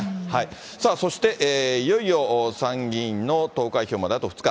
さあそして、いよいよ参議院の投開票まであと２日。